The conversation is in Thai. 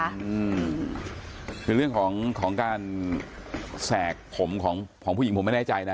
อืมคือเรื่องของของการแสกผมของของผู้หญิงผมไม่แน่ใจนะ